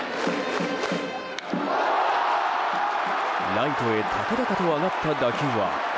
ライトへ高々と上がった打球は。